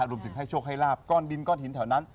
รวมถึงให้โชคให้ลาบก้อนดินก้อนหินแถวนั้น